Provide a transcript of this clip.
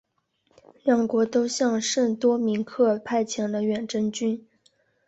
两国都向圣多明克派遣了远征军。